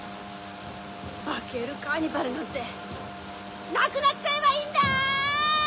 バケールカーニバルなんてなくなっちゃえばいいんだ‼